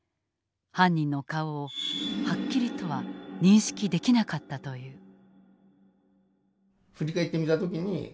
犯人の顔をはっきりとは認識できなかったという。